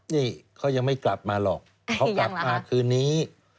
นี่เขายังไม่กลับมาหรอกเขากลับมาคืนนี้